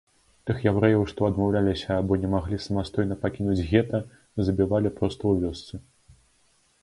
Тых яўрэяў, што адмаўляліся або не маглі самастойна пакінуць гета, забівалі проста ў вёсцы.